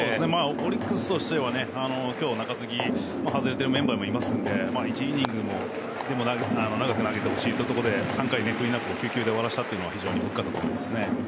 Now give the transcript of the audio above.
オリックスとしては今日は中継ぎに外れているメンバーもいるので１イニングでも長く投げてほしいということで３回、クリーンアップを９球で終わらせたのは非常に良かったと思いますね。